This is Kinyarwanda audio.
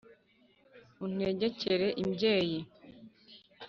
Untegekere imbyeyi,